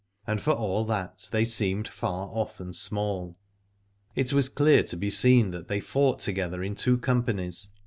And for all that they seemed far off and small, it was clear to be seen that they fought to gether in two companies.